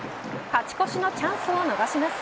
勝ち越しのチャンスを逃します。